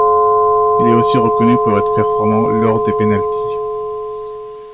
Il est aussi reconnu pour être performant lors des penaltys.